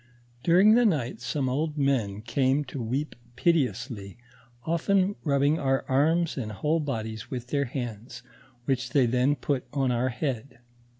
During the night some old ipen came to weep piteously, often rubbing our arms and whole bodies with their hands, which they then put on our head.